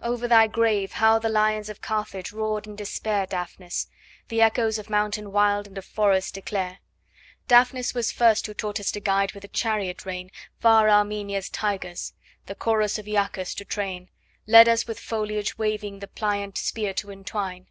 Over thy grave how the lions of Carthage roared in despair, Daphnis, the echoes of mountain wild and of forest declare. Daphnis was first who taught us to guide, with a chariot rein, Far Armenia's tigers, the chorus of Iacchus to train, Led us with foliage waving the pliant spear to entwine.